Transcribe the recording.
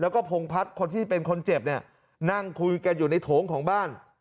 แล้วก็พงพัฒน์คนที่เป็นคนเจ็บเนี่ยนั่งคุยกันอยู่ในโถงของบ้าน